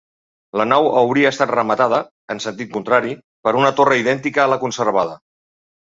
La nau hauria estat rematada, en sentit contrari, per una torre idèntica a la conservada.